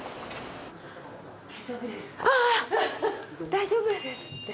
大丈夫ですって。